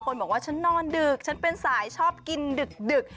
บอกว่าฉันนอนดึกฉันเป็นสายชอบกินดึก